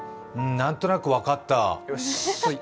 何となく分かった。